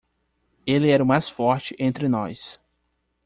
Ele era o mais forte entre nós.